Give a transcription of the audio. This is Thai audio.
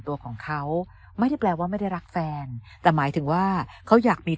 ตัวของเขาไม่ได้แปลว่าไม่ได้รักแฟนแต่หมายถึงว่าเขาอยากมี